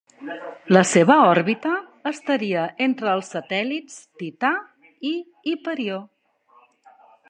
La seva òrbita estaria entre els satèl·lits Tità i Hiperió.